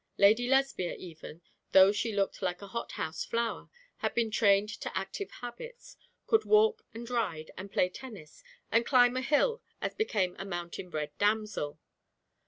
Lady Lesbia even, though she looked like a hot house flower, had been trained to active habits, could walk and ride, and play tennis, and climb a hill as became a mountain bred damsel.